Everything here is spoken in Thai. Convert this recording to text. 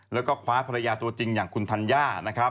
แล้วก็คว้าภรรยาตัวจริงอย่างคุณธัญญานะครับ